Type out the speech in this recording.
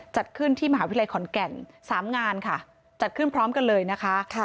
จัดขึ้นที่มหาวิทยาลัยขอนแก่น๓งานค่ะจัดขึ้นพร้อมกันเลยนะคะ